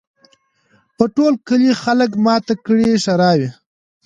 د ټول کلي خلک ماته کړي ښراوي